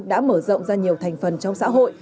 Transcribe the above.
đã mở rộng ra nhiều thành phần trong xã hội